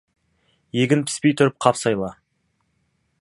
Егін піспей тұрып, қап сайла.